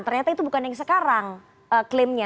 ternyata itu bukan yang sekarang klaimnya